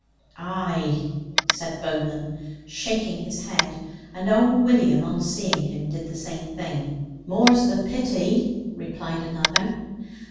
"Ay!" said Bowman, shaking his head; and old William, on seeing him, did the same thing. "More's the pity," replied another.